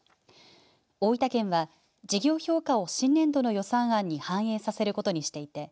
大分県は事業評価を新年度の予算案に反映させることにしていて